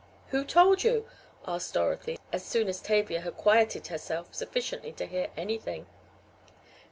"Who told you?" asked Dorothy, as soon as Tavia had quieted herself sufficiently to hear anything.